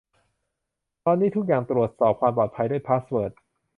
ตอนนี้ทุกอย่างตรวจสอบความปลอดภัยด้วยพาสเวิร์ด